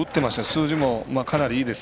数字もかなりいいです。